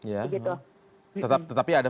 ya tetapi ada